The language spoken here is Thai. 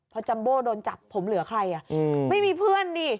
พอจัมโบ้โดนจับผมเหลือใครไม่มีเพื่อนดิ